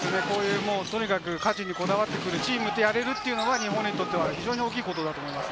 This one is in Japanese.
とにかく勝ちにこだわってくるチームとやれるっていうのは日本にとって非常に大きいと思います。